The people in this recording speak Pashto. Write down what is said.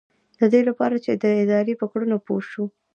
ددې لپاره چې د ادارې په کړنو پوه شو.